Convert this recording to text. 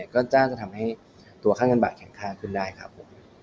ก็น่าจะทำให้ตัวค่าเงินบาทแข็งค่าขึ้นได้ครับผม